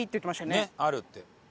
ねっあるって。